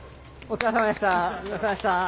お疲れさまでした。